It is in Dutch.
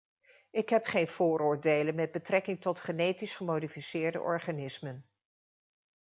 Ik heb geen vooroordelen met betrekking tot genetisch gemodificeerde organismen.